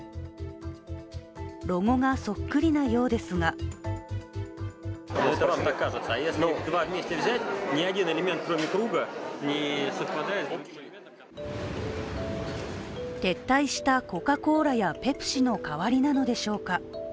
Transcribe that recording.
ロゴがそっくりなようですが撤退したコカ・コーラやペプシの代わりなのでしょうか。